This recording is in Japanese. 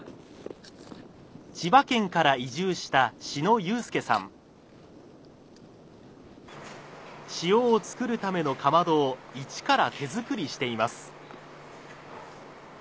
千葉県から移住した塩をつくるためのかまどを一から手作りしています。